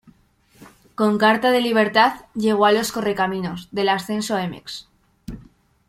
Con carta de libertad, llegó a los Correcaminos, del Ascenso Mx.